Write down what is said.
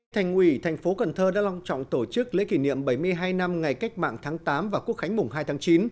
thành ủy thành phố cần thơ đã long trọng tổ chức lễ kỷ niệm bảy mươi hai năm ngày cách mạng tháng tám và quốc khánh mùng hai tháng chín